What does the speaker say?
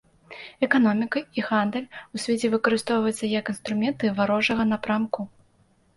Эканоміка і гандаль у свеце выкарыстоўваюцца як інструмент варожага напрамку.